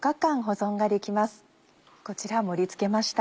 こちら盛り付けました。